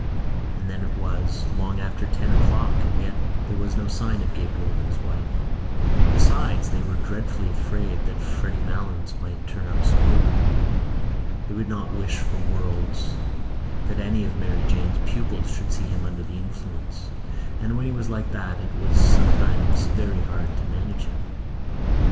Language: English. And then it was long after ten o'clock and yet there was no sign of Gabriel and his wife. Besides they were dreadfully afraid that Freddy Malins might turn up screwed. They would not wish for worlds that any of Mary Jane's pupils should see him under the influence; and when he was like that it was sometimes very hard to manage him.